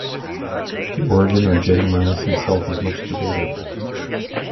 The origin of Gediminas himself is much debated.